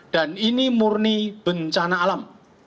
ini murni bencana alam